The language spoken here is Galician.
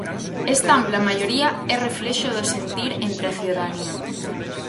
Esta ampla maioría é reflexo do sentir entre a cidadanía.